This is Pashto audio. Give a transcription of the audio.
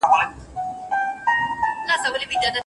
د مصيبتونو وروسته حتماً ستري برياوي سته.